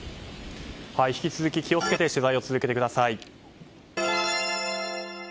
引き続き気を付けて取材を続けてください。